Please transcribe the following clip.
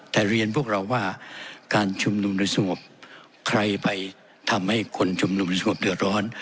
แต่เรียนพวกเราว่าการชุมนุมโดยสงบใครไปทำให้คนชุมนุมสงบเดือดร้อน